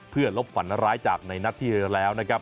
เพื่อลบฝันร้ายจากในนัดที่แล้วนะครับ